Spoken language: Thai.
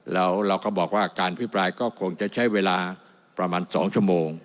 แล้วเราก็บอกว่าการพิปรายก็คงจะใช้เวลาประมาณ๒ชั่วโมง